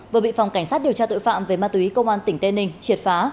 vừa bị phòng cảnh sát điều tra tội phạm về ma túy công an tỉnh tây ninh triệt phá